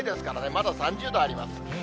まだ３０度あります。